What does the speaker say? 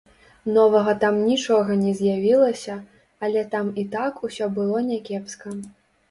Новага там нічога не з'явілася, але там і так усё было някепска.